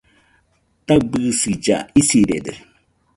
Taɨbisilla isirede